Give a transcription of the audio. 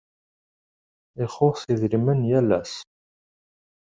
Ixuṣ idrimen yal ass.